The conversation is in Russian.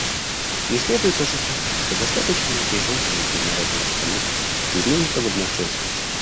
Не следует ожидать, что достаточно напряженная международная обстановка изменится в одночасье.